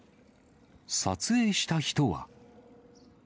撮影した人は。